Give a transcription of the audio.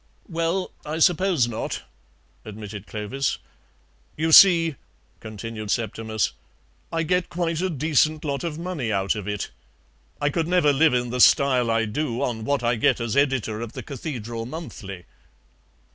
"Well, I suppose not," admitted Clovis. "You see," continued Septimus, "I get quite a decent lot of money out of it. I could never live in the style I do on what I get as editor of the CATHEDRAL MONTHLY."